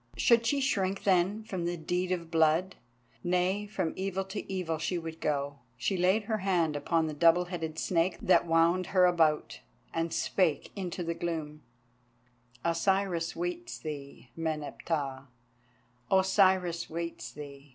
Should she shrink then from the deed of blood? Nay, from evil to evil she would go. She laid her hand upon the double headed snake that wound her about, and spake into the gloom: "Osiris waits thee, Meneptah—Osiris waits thee!